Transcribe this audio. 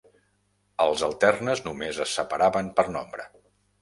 Els alternes només es separaven per nombre.